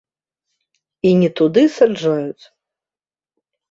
І не туды саджаюць.